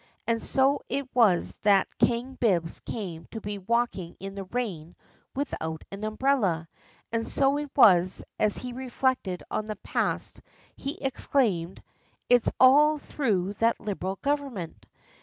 And so it was that King Bibbs came to be walking in the rain without an umbrella; and so it was, as he reflected on the past he exclaimed, "It's all through that Liberal Government."